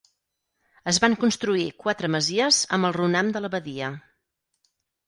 Es van construir quatre masies amb el runam de l'abadia.